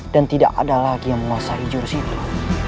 dan tidak ada lagi yang menguasai jurus itu